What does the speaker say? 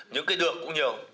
những cái được cũng nhiều